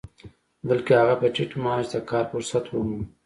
بلکې هغه په ټيټ معاش د کار فرصت وموند.